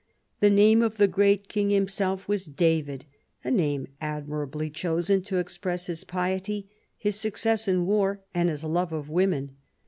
The name of the great king himself was David, a name admirably chosen to express his piety, his success in war, and his love of women.